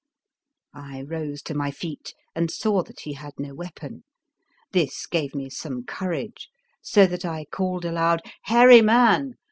I rose to my feet and saw that he had no weapon. This gave me some courage, so that I called aloud: II Hairy man!